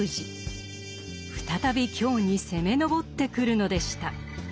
再び京に攻め上ってくるのでした。